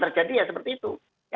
terjadi ya seperti itu